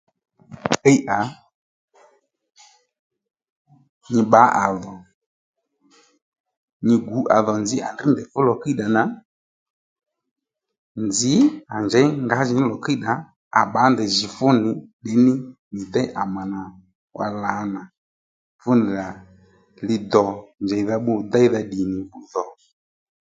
Dhiy à nyi bbǎ à dhò nyi gǔ à dho nzǐ à ndrŕ ndèy fu lò kíyddà nà nzǐ à njěy ngǎjìní lò kíyddà à bbǎ ndèy jì fú nì ddì ní nyì déy à mà nà wá lǎnà fú nì rà lì dò njèyèydha bbu déydha ddì nì dhò